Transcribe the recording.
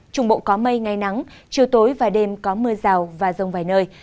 trung bộ có mây ngày nắng chiều tối và đêm có mưa rào và rông vài nơi